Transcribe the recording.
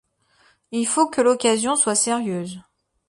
Il faut que l’occasion soit sérieuse.